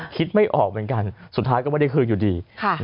คิดไม่ออกเหมือนกันสุดท้ายก็ไม่ได้คืนอยู่ดี